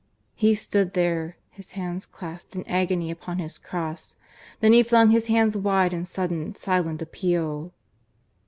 He stood there, his hands clasped in agony upon his cross. Then he flung his hands wide in sudden, silent appeal.